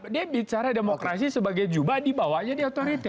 dia bicara demokrasi sebagai jubah dibawanya di otoriter